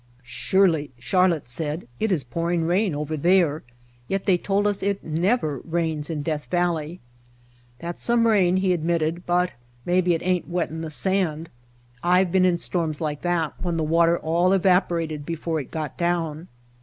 "Surely," Charlotte said, "it is pouring rain over there, yet they told us it never rains in Death Valley" "That's some rain," he admitted, "but maybe it ain't wetting the sand. I've been in storms like that when the water all evaporated before it got down."